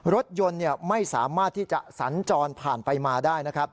รถยนต์ไม่สามารถที่จะสัญจรผ่านไปมาได้นะครับ